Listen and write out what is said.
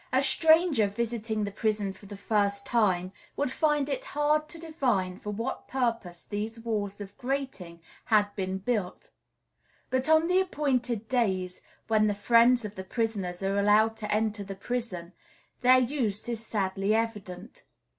A stranger visiting the prison for the first time would find it hard to divine for what purpose these walls of grating had been built. But on the appointed days when the friends of the prisoners are allowed to enter the prison, their use is sadly evident.